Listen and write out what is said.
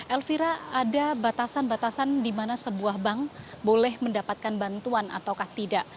elvira ada batasan batasan di mana sebuah bank boleh mendapatkan bantuan atau tidak